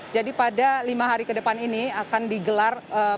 jadi pada lima hari ke depan ini akan digelar pertandingan atau kejuaraan